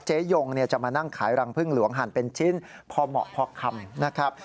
ยงจะมานั่งขายรังพึ่งหลวงหั่นเป็นชิ้นพอเหมาะพอคำนะครับ